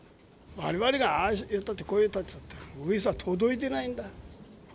われわれがああ言ったってこう言ったって、上さ、届いてないんだ。